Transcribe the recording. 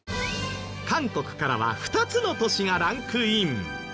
韓国からは２つの都市がランクイン。